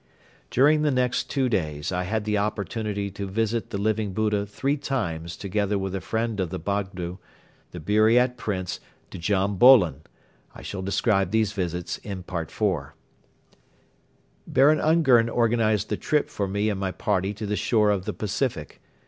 During the next two days I had the opportunity to visit the Living Buddha three times together with a friend of the Bogdo, the Buriat Prince Djam Bolon. I shall describe these visits in Part IV. Baron Ungern organized the trip for me and my party to the shore of the Pacific.